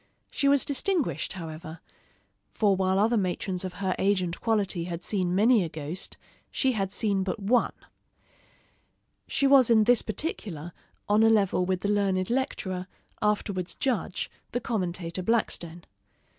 She was distinguished, however; for while other matrons of her age and quality had seen many a ghost, she had seen but one. She was in this particular on a level with the learned lecturer, afterwards judge, the commentator Blackstone.